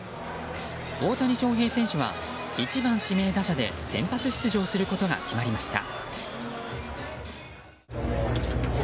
大谷翔平選手は１番指名打者で先発出場することが決まりました。